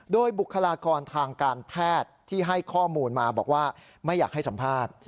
โดยบุคลากรทางการแพทย์ที่ให้ข้อมูลมาบอกว่าไม่อยากให้สัมภาษณ์